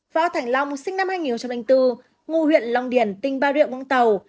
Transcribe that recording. võ thành long sinh năm hai nghìn bốn ngu huyện long điển tỉnh ba rượu vũng tàu